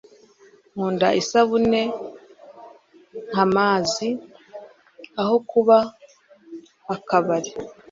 Nkunda isabune nkamazi aho kuba akabari.